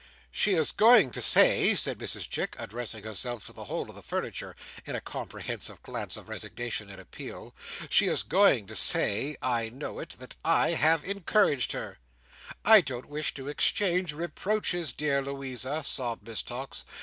"She is going to say," said Mrs Chick, addressing herself to the whole of the furniture, in a comprehensive glance of resignation and appeal, "She is going to say—I know it—that I have encouraged her!" "I don't wish to exchange reproaches, dear Louisa," sobbed Miss Tox.